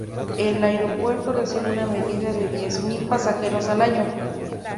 El aeropuerto recibe una media de diez mil pasajeros al año.